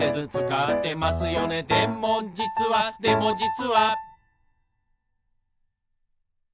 「でもじつはでもじつは」